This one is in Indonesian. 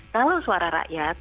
kalau suara rakyat